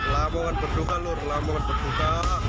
lamongan berduka nur lamongan berduka